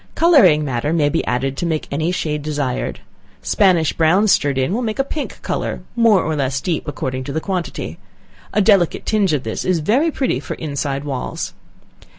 Coloring matter may be added to make any shade desired. Spanish brown stirred in will make a pink color, more or less deep according to the quantity, a delicate tinge of this is very pretty for inside walls.